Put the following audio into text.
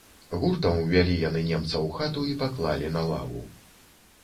Гуртам увялі яны немца ў хату і паклалі на лаву.